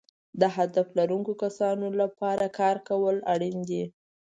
د هدف لرونکو کسانو لپاره کار کول اړین دي.